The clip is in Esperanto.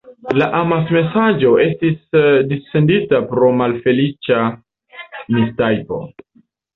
La amasmesaĝo estis dissendita pro malfeliĉa mistajpo.